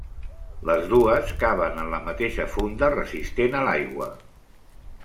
Les dues caben en la mateixa funda resistent a l'aigua.